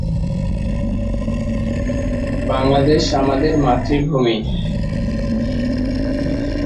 ছবিটি পরিচালনা করেছেন মোস্তাফিজুর রহমান মানিক।